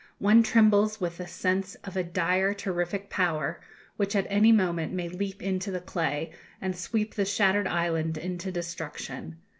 One trembles with the sense of a dire terrific power, which at any moment may leap into the clay, and sweep the shattered island into destruction.